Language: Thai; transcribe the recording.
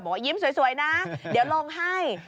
ว่ายิ้มสวยนะเดี๋ยวลงให้